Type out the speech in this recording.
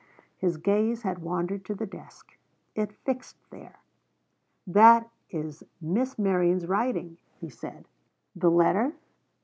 His gaze had wandered to the desk; it fixed there. 'That is Miss Merion's writing,' he said. 'The letter?'